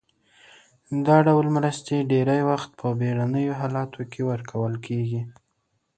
دا ډول مرستې ډیری وخت په بیړنیو حالاتو کې ورکول کیږي.